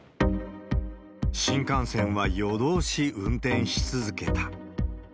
新幹線は夜通し運転し続けた。